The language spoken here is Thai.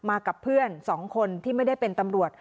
กับเพื่อน๒คนที่ไม่ได้เป็นตำรวจ